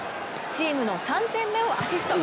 チームの３点目をアシスト。